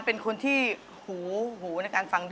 อยากจะได้แอบอิ่ง